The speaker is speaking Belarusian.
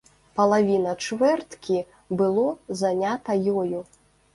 Палавіна чвэрткі было занята ёю.